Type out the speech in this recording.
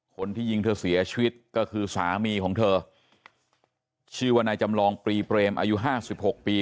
คนที่ยิงเธอเสียชีวิตก็คือสามีของเธอชื่อว่านายจำลองปรีเปรมอายุห้าสิบหกปี